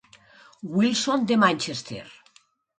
Wilson de Manchester.